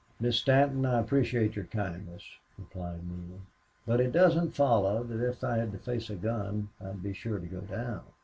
"Miss Stanton, I appreciate your kindness," replied Neale. "But it doesn't follow that if I had to face a gun I'd be sure to go down."